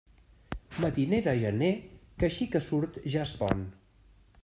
Matiner de gener, que així que surt ja es pon.